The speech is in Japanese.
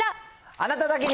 あなただけに！